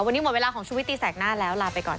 วันนี้หมดเวลาของชุวิตตีแสกหน้าแล้วลาไปก่อน